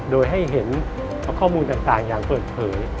โดยให้เห็นข้อมูลต่างอย่างเปิดเผย